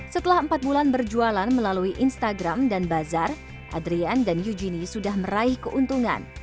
setelah empat bulan berjualan melalui instagram dan bazar adrian dan eugenie sudah meraih keuntungan